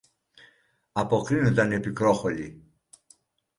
αποκρίνουνταν η Πικρόχολη.